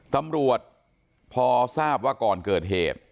ตำรวจพอทราบว่าก่อนเกิดเหตุ